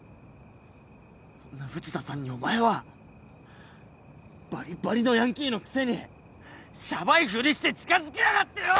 そんな藤田さんにお前はバリバリのヤンキーのくせにシャバいふりして近づきやがってよ！